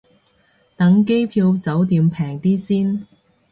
等機票酒店平啲先